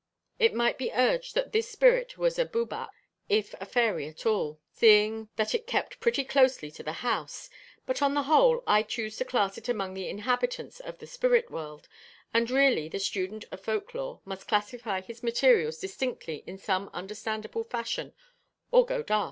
It might be urged that this spirit was a Bwbach, if a fairy at all, seeing that it kept pretty closely to the house; but on the whole I choose to class it among the inhabitants of the spirit world; and really, the student of folk lore must classify his materials distinctly in some understandable fashion, or go daft.